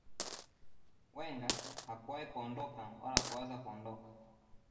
wenger hakuwahi kuondoka wala kuwaza kuondoka